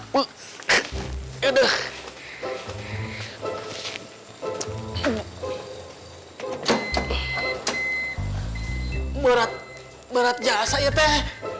berat berat jasa ya pak